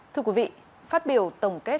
thưa quý vị phát biểu tổng kết